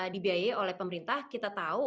dibiayai oleh pemerintah kita tahu